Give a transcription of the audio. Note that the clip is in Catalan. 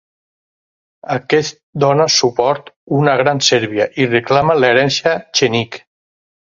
Aquest dóna suport una Gran Sèrbia i reclama l'herència txètnik.